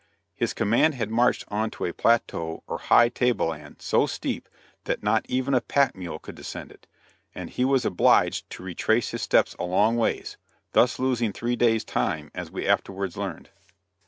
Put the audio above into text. His command had marched on to a plateau or high table land so steep, that not even a pack mule could descend it, and he was obliged to retrace his steps a long ways, thus losing three days time as we afterwards learned.